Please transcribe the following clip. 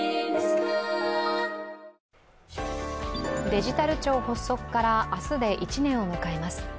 デジタル庁発足から明日で１年を迎えます。